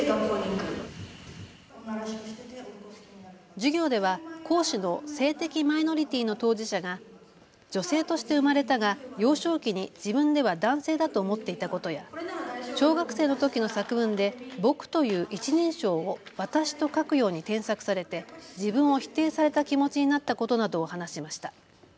授業では講師の性的マイノリティーの当事者が女性として生まれたが幼少期に自分では男性だと思っていたことや、小学生のときの作文で、ぼくという１人称をわたしと書くように添削されて自分を否定された気持ちになったことなどを話しました。